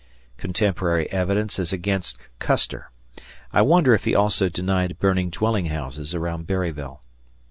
Contemporary evidence is against Custer. I wonder if he also denied burning dwelling houses around Berryville.